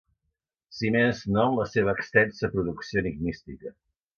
Si més no en la seva extensa producció enigmística.